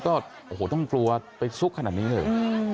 ก็โอ้โหต้องกลัวไปซุกขนาดนี้เลย